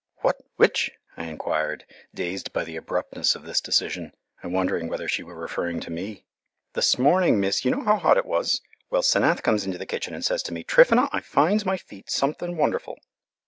"What? Which?" I enquired, dazed by the abruptness of this decision, and wondering whether she were referring to me. "This morning, miss, you know how hot it was? Well, 'Senath comes into the kitchen and says to me, 'Tryphena, I finds my feet something wonderful.'